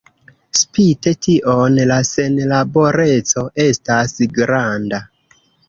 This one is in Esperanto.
Spite tion la senlaboreco estas granda.